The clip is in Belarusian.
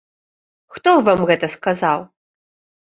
Хто вам гэта сказаў?